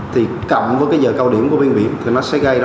thì cặm với cái giờ cao điểm của biển biển